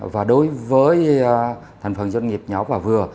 và đối với thành phần doanh nghiệp nhỏ và vừa